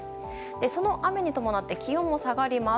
その雨に伴って気温も下がります。